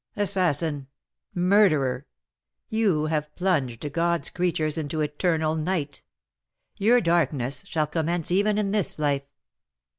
Assassin! murderer! you have plunged God's creatures into eternal night; your darkness shall commence even in this life.